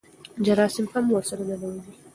جراثیم هم ورسره ننوځي.